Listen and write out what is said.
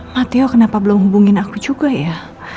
mateo kenapa belum hubungin aku juga ya